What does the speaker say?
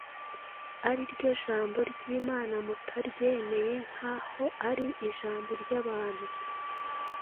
ari ryo jambo ry’Imana, mutaryemeye nk’aho ari ijambo ry’abantu,